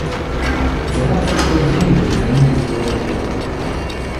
Заряд влетел в землю, никому не сделав вреда.